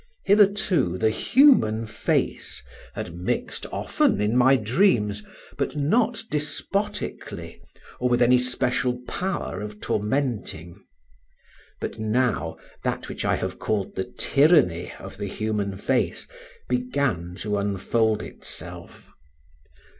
Hitherto the human face had mixed often in my dreams, but not despotically nor with any special power of tormenting. But now that which I have called the tyranny of the human face began to unfold itself.